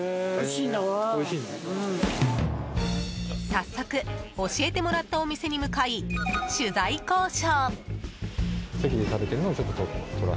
早速、教えてもらったお店に向かい、取材交渉。